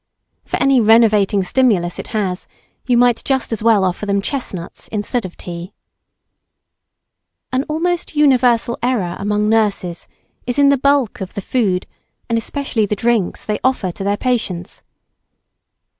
For any renovating stimulus it has, you might just as well offer them chestnuts instead of tea. [Sidenote: Bulk.] An almost universal error among nurses is in the bulk of the food and especially the drinks they offer to their patients.